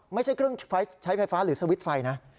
ไม่ใช่เครื่องใช้ไฟฟ้าหรือสวิตช์ไฟนะ